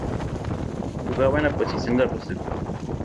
Jugaba en la posición de receptor.